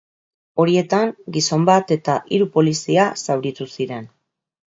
Horietan, gizon bat eta hiru polizia zauritu ziren.